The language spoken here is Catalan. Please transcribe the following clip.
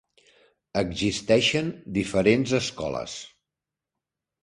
Existeixen diferents escoles.